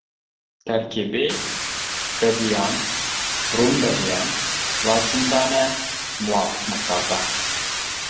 تەركىبى: بەدىيان، رۇمبەدىيان، لاچىندانە مۇۋاپىق مىقداردا.